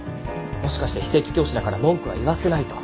もしかして非正規教師だから文句は言わせないと？